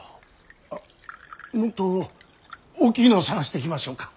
あっもっと大きいのを探してきましょうか。